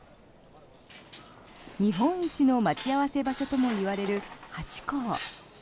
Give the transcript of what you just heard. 日本一の待ち合わせ場所ともいわれるハチ公。